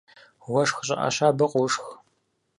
Уэшх щӀыӀэ щабэ къошх.